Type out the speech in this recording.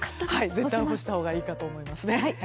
絶対干したほうがいいと思いますね。